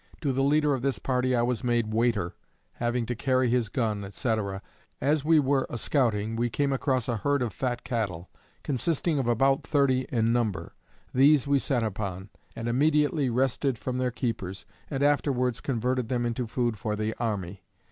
To the leader of this party I was made waiter, having to carry his gun, &c. As we were a scouting we came across a herd of fat cattle, consisting of about thirty in number. These we set upon, and immediately wrested from their keepers, and afterwards converted them into food for the army.